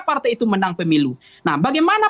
partai itu menang pemilu nah bagaimana